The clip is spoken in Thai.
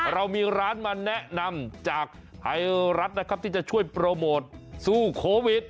เรามีร้านมาแนะนำจากไทยรัฐนะครับที่จะช่วยโปรโมทสู้โควิด